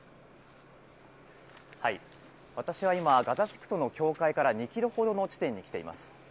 私は今、ガザ地区との境界から２キロほどの地点に来ています。